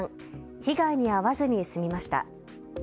被害に遭わずに済みました。